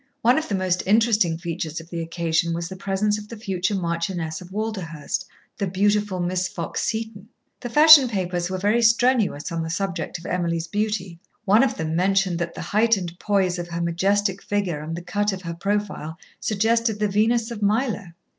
One of the most interesting features of the occasion was the presence of the future Marchioness of Walderhurst, "the beautiful Miss Fox Seton." The fashion papers were very strenuous on the subject of Emily's beauty. One of them mentioned that the height and pose of her majestic figure and the cut of her profile suggested the Venus of Milo.